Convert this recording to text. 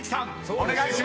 お願いします］